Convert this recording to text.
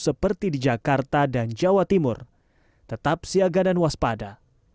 seperti di jakarta dan jawa timur tetap siaga dan waspada